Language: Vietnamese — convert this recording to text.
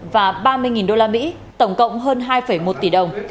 và ba mươi usd tổng cộng hơn hai một tỷ đồng